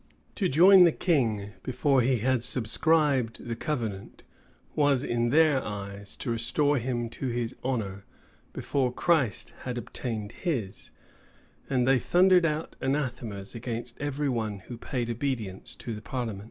To join the king before he had subscribed the covenant, was, in their eyes, to restore him to his honor before Christ had obtained his;[*] and they thundered out anathemas against every one who paid obedience to the parliament.